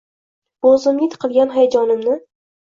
Bo’g’zimga tiqilgan hayajonimni